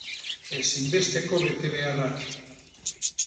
Ezinbesteko betebeharrak